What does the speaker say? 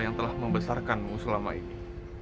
yang telah membesarkanmu selama ini